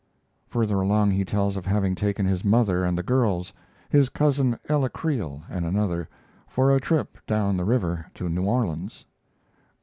Further along he tells of having taken his mother and the girls his cousin Ella Creel and another for a trip down the river to New Orleans.